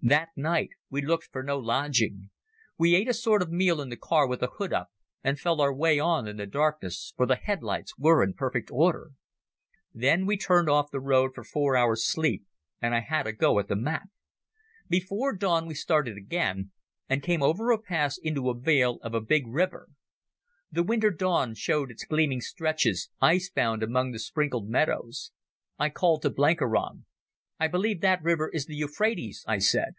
That night we looked for no lodging. We ate a sort of meal in the car with the hood up, and felt our way on in the darkness, for the headlights were in perfect order. Then we turned off the road for four hours' sleep, and I had a go at the map. Before dawn we started again, and came over a pass into the vale of a big river. The winter dawn showed its gleaming stretches, ice bound among the sprinkled meadows. I called to Blenkiron: "I believe that river is the Euphrates," I said.